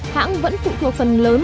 hãng vẫn phụ thuộc phần lớn